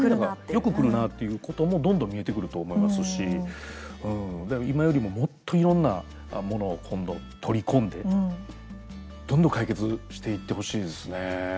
よくくるなっていうこともどんどん見えてくると思いますし今よりも、もっといろんなものを今度、取り込んでどんどん解決していってほしいですね。